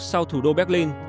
sau thủ đô berlin